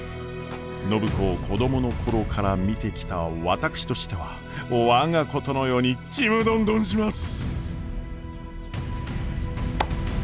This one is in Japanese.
暢子を子供の頃から見てきた私としては我がことのようにちむどんどんします！